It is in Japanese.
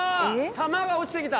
弾が落ちてきた！？